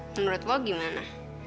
menurut lo gimana